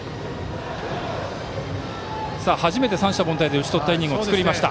初めて三者凡退でとったイニングを作りました。